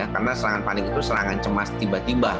karena serangan panik itu serangan cemas tiba tiba